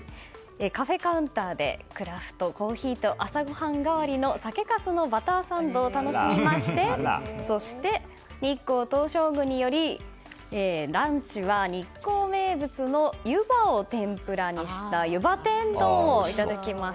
カフェカウンターでクラフトコーヒーと朝ごはん代わりの酒かすのバターサンドを楽しみましてそして、日光東照宮に寄りランチは日航名物のゆばを天ぷらにしたゆば天丼をいただきます。